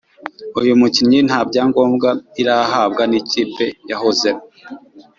uyu mukinnyi nta byangombwa irahabwa n’ikipe yahozemo.